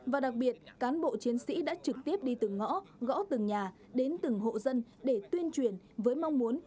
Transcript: và đặc biệt cán bộ chiến sĩ đã trực tiếp đi từng ngõ gõ từng nhà đến từng hộ dân để tuyên truyền với mong muốn